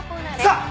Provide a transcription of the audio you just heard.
さあ！